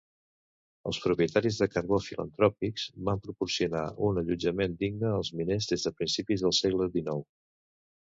Els propietaris de carbó filantròpics van proporcionar un allotjament digne als miners des de principis del segle XIX.